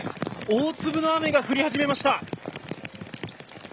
大粒の雨が降り始めました。